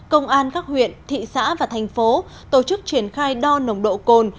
công an các huyện thị xã và thành phố tổ chức triển khai đo nồng độ cồn